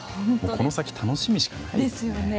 この先、楽しみしかないですね。